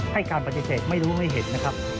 ให้การปฏิเสธไม่รู้ไม่เห็นนะครับ